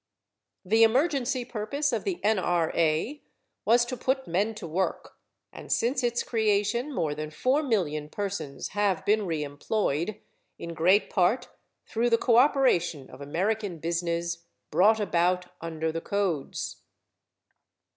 The emergency purpose of the N.R.A. was to put men to work and since its creation more than four million persons have been reemployed, in great part through the cooperation of American business brought about under the codes.